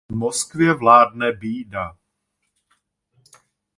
V Moskvě vládne bída.